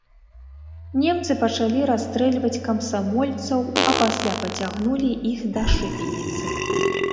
Немцы пачалі расстрэльваць камсамольцаў, а пасля пацягнулі іх да шыбеніцы.